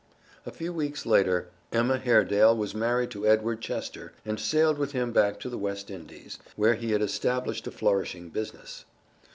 A few weeks later Emma Haredale was married to Edward Chester and sailed with him back to the West Indies, where he had established a flourishing business.